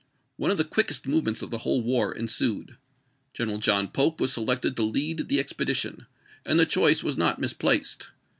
One of the quickest movements of the whole war ensued. General John Pope was selected to lead the ex pedition, and the choice was not misplaced.